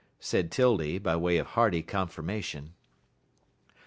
said 'Tildy, by way of hearty confirmation.